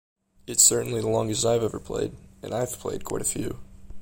It's certainly the longest I've ever played, and I've played quite a few.